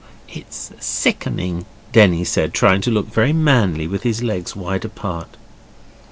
'It's sickening,' Denny said, trying to look very manly with his legs wide apart.